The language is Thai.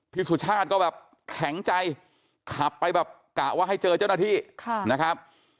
สุชาติก็แบบแข็งใจขับไปแบบกะว่าให้เจอเจ้าหน้าที่นะครับ